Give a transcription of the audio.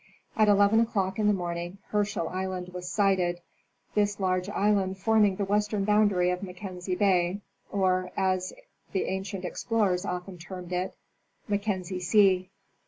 At 11 o'clock in the morning Her schel island was sighted, this large island forming the western boundary of Mackenzie bay, or, as the ancient explorers often termed it, Mackenzie sea.